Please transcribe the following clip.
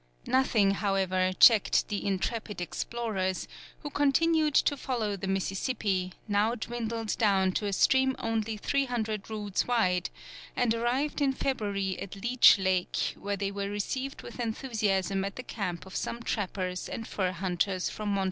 Nothing, however, checked the intrepid explorers, who continued to follow the Mississippi, now dwindled down to a stream only 300 roods wide, and arrived in February at Leech Lake, where they were received with enthusiasm at the camp of some trappers and fur hunters from Montreal.